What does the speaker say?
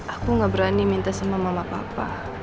aku gak berani minta sama mama papa